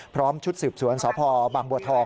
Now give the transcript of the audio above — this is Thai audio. ชุดสืบสวนสพบางบัวทอง